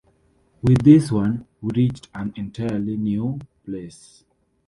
With this one, we reached an entirely new place.